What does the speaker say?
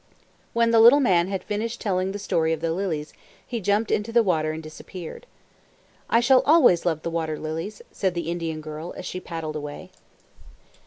When the little man had finished telling the story of the lilies, he jumped into the water and disappeared. "I shall always love the water lilies," said the Indian girl as she paddled away.